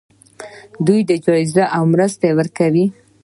دوی جایزې او مرستې ورکوي.